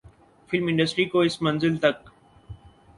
film industry کو اس منزل تک